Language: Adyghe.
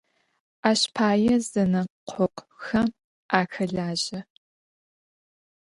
Aş paê zenekhokhuxem axelaje.